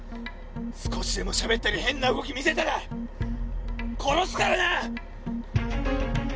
少しでもしゃべったり変な動き見せたら殺すからな！